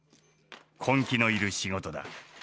根気のいる仕事だ。